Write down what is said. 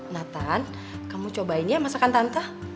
nathan kamu cobain ya masakan tante